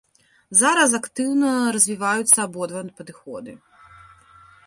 Зараз актыўна развіваюцца абодва падыходы.